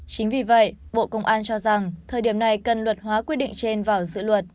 chính vì vậy bộ công an cho rằng thời điểm này cần luật hóa quy định trên vào dự luật